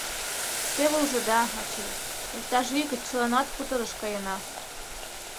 Теве ужыда, ачый, иктаж ий гыч чыланат хуторыш каена.